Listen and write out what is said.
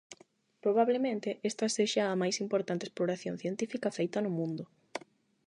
Probablemente esta sexa a máis importante exploración científica feita no mundo.